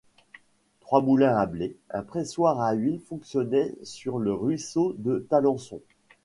Trois moulins à blé, un pressoir à huile fonctionnaient sur le ruisseau de Talençon.